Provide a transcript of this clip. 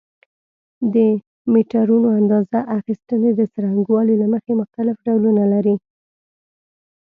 د میټرونو اندازه اخیستنې د څرنګوالي له مخې مختلف ډولونه لري.